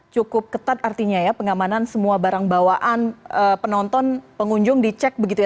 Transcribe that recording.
cukup ketat artinya ya pengamanan semua barang bawaan penonton pengunjung dicek begitu ya